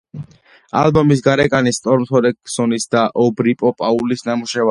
ალბომის გარეკანი სტორმ თორგერსონის და ობრი „პო“ პაუელის ნამუშევარია.